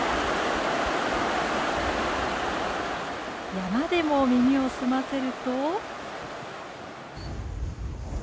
山でも耳を澄ませると。